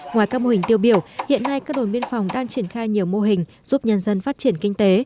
ngoài các mô hình tiêu biểu hiện nay các đồn biên phòng đang triển khai nhiều mô hình giúp nhân dân phát triển kinh tế